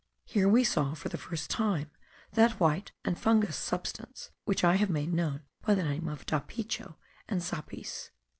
Here we saw for the first time that white and fungous substance which I have made known by the name of dapicho and zapis.